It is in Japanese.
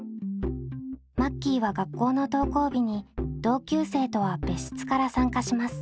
マッキーは学校の登校日に同級生とは別室から参加します。